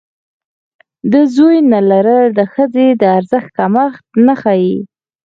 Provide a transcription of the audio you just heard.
د زوی نه لرل د ښځې د ارزښت کمښت نه ښيي.